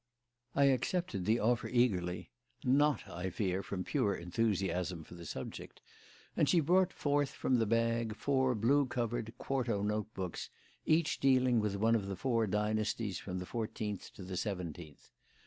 I accepted the offer eagerly (not, I fear, from pure enthusiasm for the subject), and she brought forth from the bag four blue covered, quarto note books, each dealing with one of the four dynasties from the fourteenth to the seventeenth.